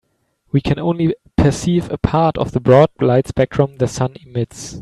We can only perceive a part of the broad light spectrum the sun emits.